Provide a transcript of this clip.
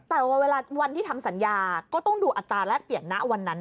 แต่ว่าเวลาวันที่ทำสัญญาก็ต้องดูอัตราแรกเปลี่ยนณวันนั้น